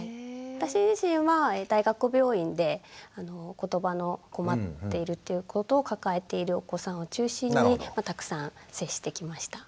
私自身は大学病院でことばの困っているっていうことを抱えているお子さんを中心にたくさん接してきました。